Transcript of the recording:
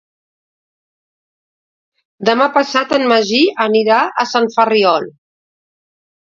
Demà passat en Magí anirà a Sant Ferriol.